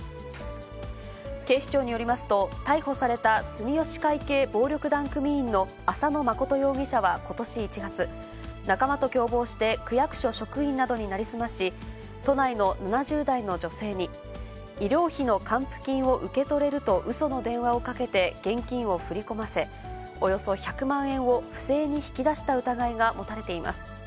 警視庁によりますと、逮捕された住吉会系暴力団組員の朝野真人容疑者はことし１月、仲間と共謀して、区役所職員などに成り済まし、都内の７０代の女性に、医療費の還付金を受け取れるとうその電話をかけて現金を振り込ませ、およそ１００万円を不正に引き出した疑いが持たれています。